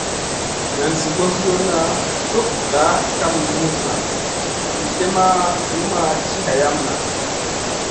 Nan Zi ɓosion cug gah kam muzna vi slèh ma numʼma ti hayama.